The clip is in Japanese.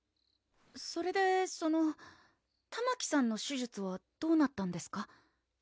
それでそのたまきさんの手術はどうなったんですか？